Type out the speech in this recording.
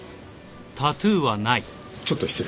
ちょっと失礼。